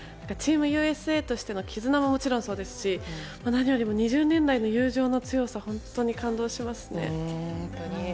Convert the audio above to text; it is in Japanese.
チームＵＳＡとしての絆ももちろんそうですし何よりも２０年来の友情の強さ本当に感動しますね。